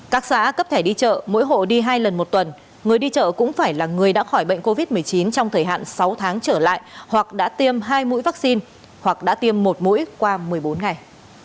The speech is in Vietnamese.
các xã cấp thẻ đi chợ mỗi hộ đi hai lần một tuần người đi chợ cũng phải là người đã khỏi bệnh covid một mươi chín trong thời hạn sáu tháng trở lại hoặc đã tiêm hai mũi vaccine hoặc đã tiêm một mũi qua một mươi bốn ngày